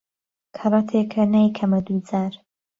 کهڕهتێکه نایکهمه دوو جار